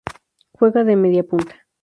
Juega de mediapunta.